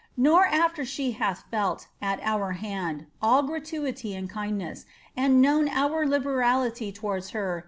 Nor after she hath felt, our hand, all gralnity and kindness, and known our liberality towards hi !